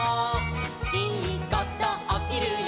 「いいことおきるよ